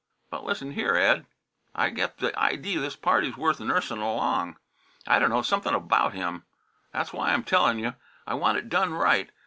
But listen here, Ed, I get the idee this party's worth nursin' along. I dunno, something about him. That's why I'm tellin' you. I want it done right.